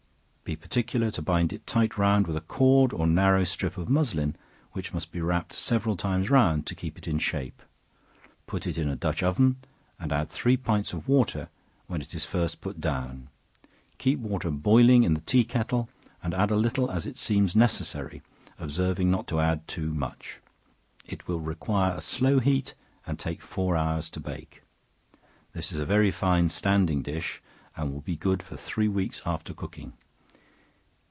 Be particular to bind it tight round with a cord, or narrow strip of muslin, which must be wrapped several times round to keep it in shape; put it in a dutch oven, and add three pints of water when it is first put down; keep water boiling in the tea kettle, and add a little as it seems necessary, observing not to add too much. It will require a slow heat, and take four hours to bake. This is a very fine standing dish, and will be good for three weeks after cooking.